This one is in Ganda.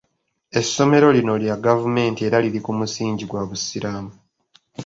Essomero lino lya gavumenti era liri ku musingi gwa busiraamu.